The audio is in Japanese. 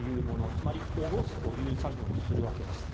つまり、下ろすという作業をするわけです。